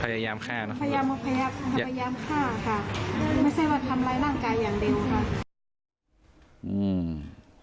ภายยามภายยามภายยามภายยามภายยามอ่ะไม่ใช่ว่าทำไรร่างกายอย่างเร็วค่ะ